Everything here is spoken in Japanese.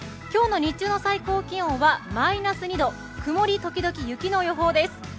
今日の日中の最高気温はマイナス２度、曇り時々雪の予報です。